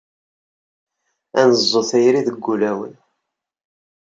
Ad neẓẓu tayri deg wulawen.